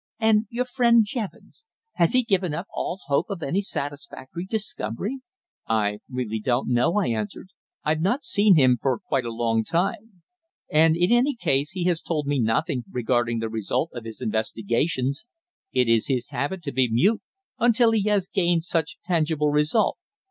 "And your friend Jevons? Has he given up all hope of any satisfactory discovery?" "I really don't know," I answered. "I've not seen him for quite a long time. And in any case he has told me nothing regarding the result of his investigations. It is his habit to be mute until he has gained some tangible result."